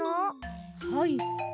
はい。